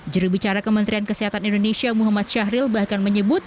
jurubicara kementerian kesehatan indonesia muhammad syahril bahkan menyebut